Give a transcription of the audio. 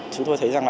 chúng tôi thấy rằng